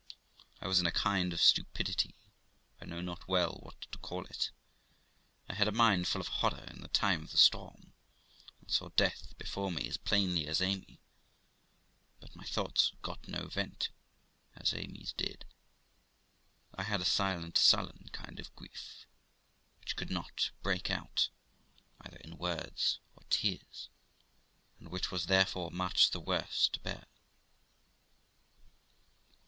I was in a kind of stupidity, I know not well what to call it; I had a mind full of horror in the time of the storm, and saw death before me as plainly as Amy, but my thoughts got no vent, as Amy's did. I had a silent, sullen kind of grief, which could not break out either in words or tears, and which was therefore much the worse to bear.